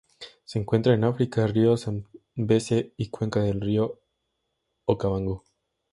Se encuentran en África: río Zambeze y cuenca del río Okavango.